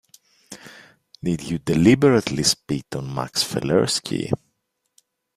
Did you deliberately spit on Max Felerski?